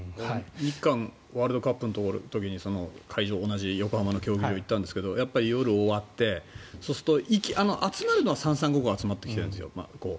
日韓ワールドカップの時に同じ横浜の競技場に行ったんですけど夜終わって、そうすると集まるのは三々五々集まってきてるんですよ。